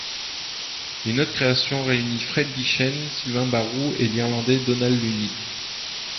Une autre création réunie Fred Guichen, Sylvain Barou et l'Irlandais Dónal Lunny.